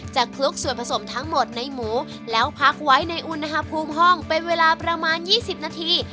คลุกส่วนผสมทั้งหมดในหมูแล้วพักไว้ในอุณหภูมิห้องเป็นเวลาประมาณ๒๐นาที